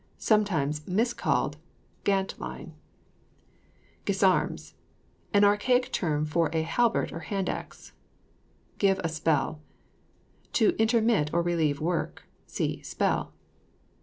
(Sometimes mis called gant line.) GISARMS. An archaic term for a halbert or hand axe. GIVE A SPELL. To intermit or relieve work. (See SPELL.)